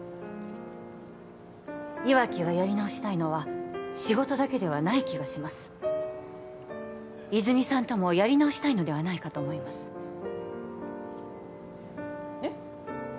岩城がやり直したいのは仕事だけではない気がします泉美さんともやり直したいのではないかと思いますえっ？